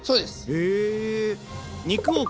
へえ。